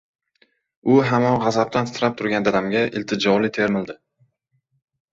— U hamon g‘azabdan titrab turgan dadamga iltijoli termildi.